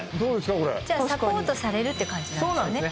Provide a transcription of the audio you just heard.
これサポートされるって感じなんですね